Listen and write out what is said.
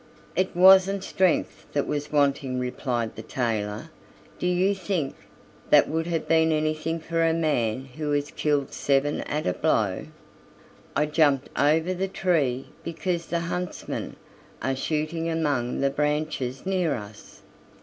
"It wasn't strength that was wanting," replied the tailor; "do you think that would have been anything for a man who has killed seven at a blow? I jumped over the tree because the huntsmen are shooting among the branches near us.